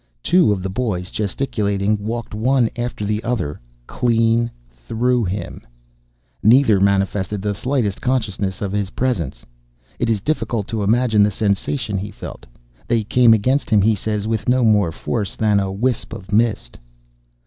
Two of the boys, gesticulating, walked one after the other clean through him! Neither manifested the slightest consciousness of his presence. It is difficult to imagine the sensation he felt. They came against him, he says, with no more force than a wisp of mist.